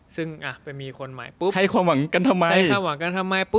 ซึ่งไปมีคนใหม่ให้ความหวังกันทำไม